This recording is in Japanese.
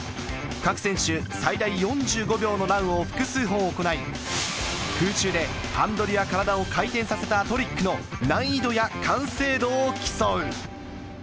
各選手最大４５秒のランを複数本行い、空中でハンドルや体を回転させたトリックの難易度や完成度を競う。